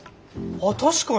あっ確かに。